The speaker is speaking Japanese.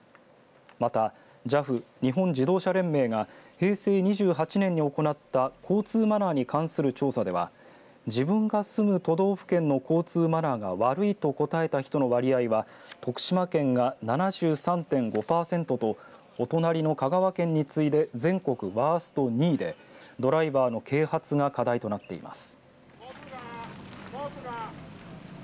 またＪＡＦ、日本自動車連盟が平成２８年に行った交通マナーに関する調査では自分が住む都道府県の交通マナーが悪いと答えた人の割合は徳島県が７３．５パーセントとお隣の香川県に次いで全国ワースト２位でドライバーの啓発が課題となっています。